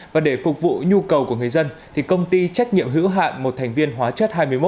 và để phục vụ nhu cầu của người dân thì công ty trách nhiệm hữu hạn một thành viên hóa chất hai mươi một